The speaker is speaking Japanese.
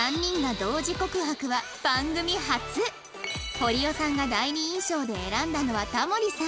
堀尾さんが第二印象で選んだのは田森さん